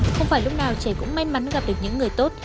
không phải lúc nào trẻ cũng may mắn gặp được những người tốt